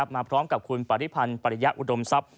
มาพร้อมกับคุณปริพันธ์ปริยะอุดมทรัพย